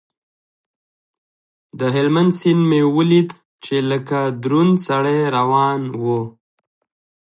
د هلمند سيند مې وليد چې لکه دروند سړى کرار روان و.